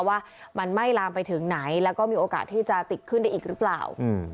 ว่ามันไม่ลามไปถึงไหนแล้วก็มีโอกาสที่จะติดขึ้นได้อีกหรือเปล่า